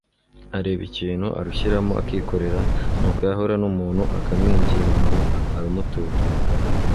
Areba ikintu arushyiramo akikorera, nuko yahura n’umuntu akamwinginga ngo arumuture